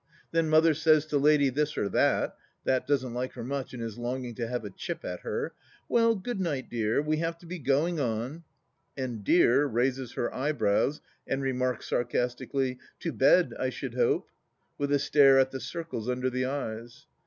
Then Mother says to Lady This or That (that doesn't like her much and is longing to have a chip at her) :" Well good night, dear, we have to be going on." And " Dear " raises her eyebrows and remarks sarcastically, " To bed, I should hope ?" with a stare at the circles under the eyes.